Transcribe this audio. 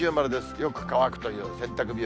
よく乾くという洗濯日和。